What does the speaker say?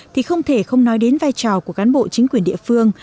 thì không thể không nói đến vai trò của cán bộ chính quyền địa phương